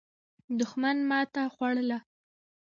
دښمن ماته خوړله.